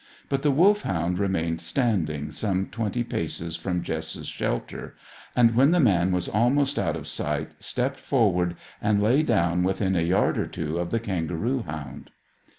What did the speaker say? But the Wolfhound remained standing, some twenty paces from Jess's shelter, and, when the man was almost out of sight, stepped forward and lay down within a yard or two of the kangaroo hound.